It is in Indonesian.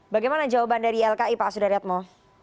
bagaimana jawaban dari ylki pak sudaryat mau